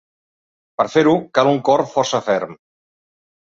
Per fer-ho cal un cor força ferm.